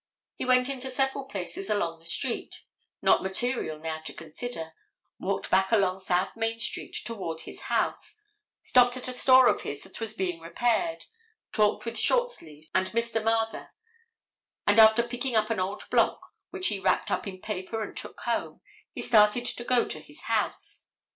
He went into several places along the street, not material now to consider, walked back along South Main street toward his house, stopped at a store of his that was being repaired, talked with Shortsleeves and Mr. Mather, and after picking up an old block, which he wrapped up in paper and took home, he started to go to his house.